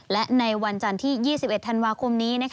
และในวันจันทร์ที่๒๑ธันวาคมนี้